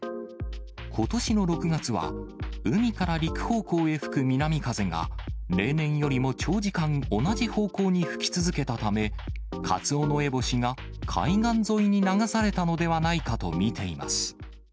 ことしの６月は、海から陸方向へ吹く南風が、例年よりも長時間同じ方向に吹き続けたため、カツオノエボシが海岸沿いに流されたのではないかと見ています。